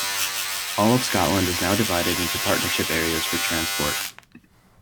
All of Scotland is now divided into partnership areas for Transport.